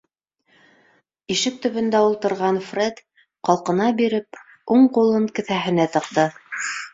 Ишек төбөндә ултырған Фред ҡалҡына биреп, уң ҡулын кеҫәһенә тыҡты.